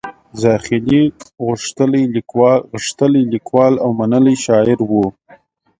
زاخیلي غښتلی لیکوال او منلی شاعر و.